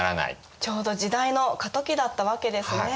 ちょうど時代の過渡期だったわけですね。